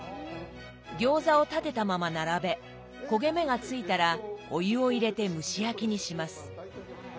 餃子を立てたまま並べ焦げ目がついたらお湯を入れて蒸し焼きにします。